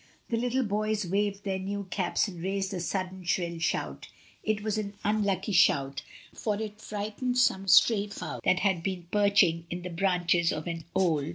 The little boys waved their new caps and raised a sudden shrill shout It was an unlucky shout, for it frightened some stray fo^ that had been perching in the branches of an old A WEDDING PARTY.